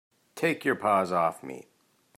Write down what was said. Take your paws off me!